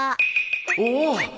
おお！